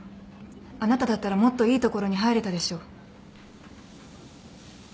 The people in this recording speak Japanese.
あなただったらもっといいところに入れたでしょ。